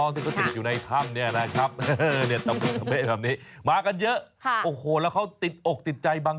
ที่ก็ติดอยู่ในถ้ำนี่นะครับ